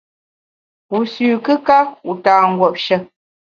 Wu sü kùka, wu ta nguopshe.